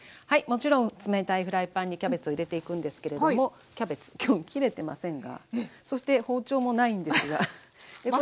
はいもちろん冷たいフライパンにキャベツを入れていくんですけれどもキャベツ今日切れてませんがそして包丁もないんですが。